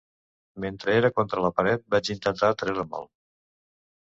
Mentre era contra la paret vaig intentar treure-me’l.